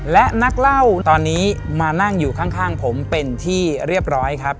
และนักเล่าตอนนี้มานั่งอยู่ข้างผมเป็นที่เรียบร้อยครับ